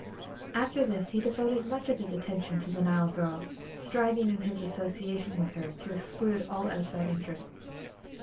After this he devoted much of his attention to the Nile girl, striving in his association with her to exclude all outside interests.